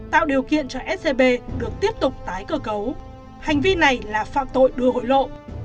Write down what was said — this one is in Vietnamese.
tạo điều kiện cho scb được tiếp tục tái cơ cấu hành vi này là phạm tội đưa hối lộ